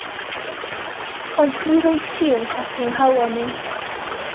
Ond mi rwyt ti yn codi 'nghalon i.